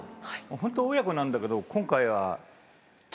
ホントは親子なんだけど今回は。